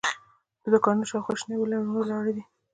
د دوکانونو شاوخوا شنې ونې ولاړې دي.